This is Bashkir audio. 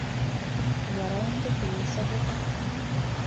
Ярай инде, һинеңсә булһын.